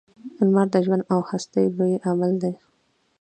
• لمر د ژوند او هستۍ لوی عامل و.